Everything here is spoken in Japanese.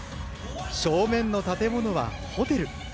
正面の建物はホテルです。